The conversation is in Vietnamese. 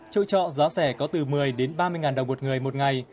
chỗ trọ giá rẻ có từ một mươi đến ba mươi đồng một người một ngày